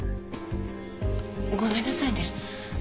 ごめんなさいね。